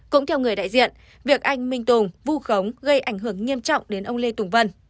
cũng theo người đại diện việc anh minh tùng vu khống gây ảnh hưởng nghiêm trọng đến ông lê tùng vân